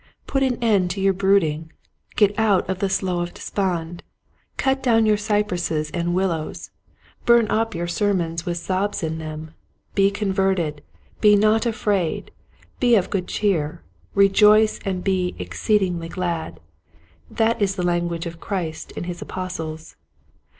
Put an end to your brooding. Get out of the slough of despond. Cut down your cypresses and willows. Burn up your sermons with 74 Quiet Hints to Growing Preachers, sobs in them. " Be converted." " Be not afraid." " Be of good cheer." <* Rejoice and be exceeding glad." This is the lan guage of Christ and his apostles.